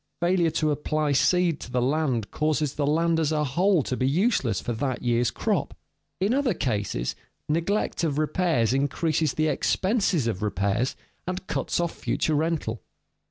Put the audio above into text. Failure to apply seed to the land causes the land as a whole to be useless for that year's crop. In other cases, neglect of repairs increases the expenses of repairs and cuts off future rental.